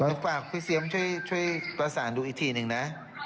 ฝากพี่เซียมช่วยประสานดูอีกทีหนึ่งนะ